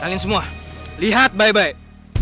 angin semua lihat baik baik